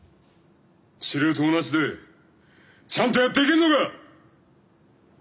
司令塔なしでちゃんとやっていけんのか！